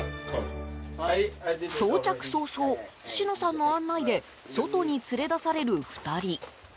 到着早々、シノさんの案内で外に連れ出される２人。